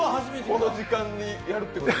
この時間にやるってことは？